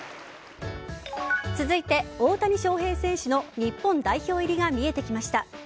続いて大谷翔平選手の日本代表入りが見えてきました。